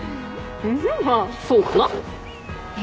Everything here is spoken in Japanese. まあそうかな。